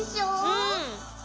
うん。